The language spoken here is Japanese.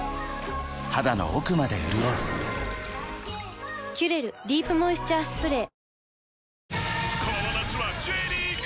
肌の奥まで潤う「キュレルディープモイスチャースプレー」